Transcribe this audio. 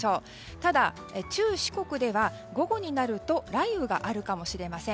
ただ、中四国では午後になると雷雨があるかもしれません。